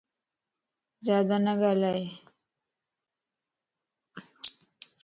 زيادا نه ڳالھائي